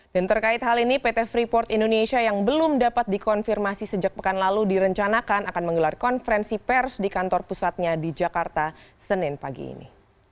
dan terkait hal ini pt freeport indonesia yang belum dapat dikonfirmasi sejak pekan lalu direncanakan akan menggelar konferensi pers di kantor pusatnya di jakarta senin pagi ini